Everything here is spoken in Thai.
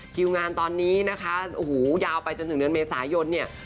คิวงานตอนนี้นะคะโอ้โหยาวไปจนถึงเดือนเมษายนเนี่ย